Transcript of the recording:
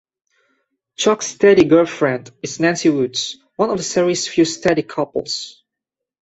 Chuck's steady girlfriend is Nancy Woods, one of the series' few steady couples.